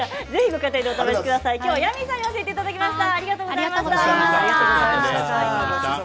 今日はヤミーさんに教えていただきました。